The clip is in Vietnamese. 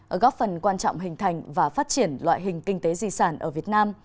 ở góc phần quan trọng hình thành và phát triển loại hình kinh tế di sản